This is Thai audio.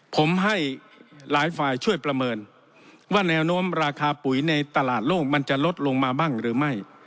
ผมให้หลายฝ่ายช่วยประเมินว่าแนวโน้มราคาปุ๋ยในตลาดโลกมันจะลดลงมาบ้างหรือไม่